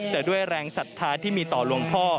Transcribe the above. แต่ด้วยแรงศรัทธาที่มีต่อหลวงพ่อ